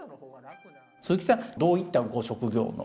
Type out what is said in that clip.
鈴木さん、どういったご職業の？